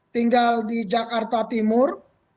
tinggal di jakarta timur